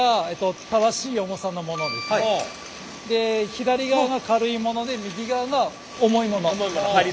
左側が軽いもので右側が重いもの。